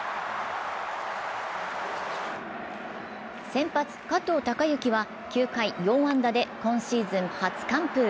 先発・加藤貴之は９回４安打で今シーズン初完封。